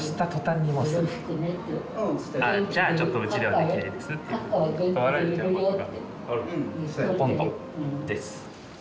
「ああじゃあちょっとうちではできないです」っていうふうに断られてることがほとんどです。